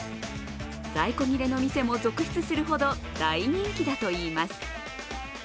在庫切れの店も続出するほど大人気だといいます。